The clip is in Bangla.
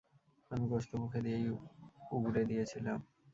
আমি গোশত মুখে দিয়েই উগরে দিয়েছিলাম।